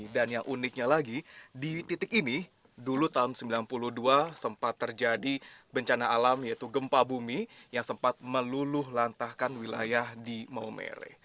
dan yang uniknya lagi di titik ini dulu tahun sembilan puluh dua sempat terjadi bencana alam yaitu gempa bumi yang sempat meluluh lantahkan wilayah di momeri